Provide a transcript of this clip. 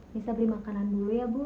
nisa beli makanan dulu ya bu